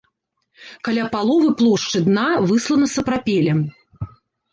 Каля паловы плошчы дна выслана сапрапелем.